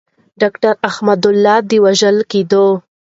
داکتر احمد الله د وژل کیدو.